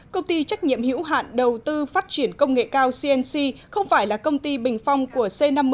công ty trách nhiệm hữu hạn đầu tư phát triển công nghệ cao cnc không phải là công ty bình phong của c năm mươi